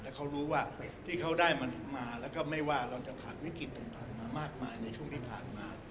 แต่เขารู้ว่าที่เขาได้มันมาแล้วก็ไม่ว่าเราจะผ่านวิกฤตต่างมามากมายในช่วงที่ผ่านมา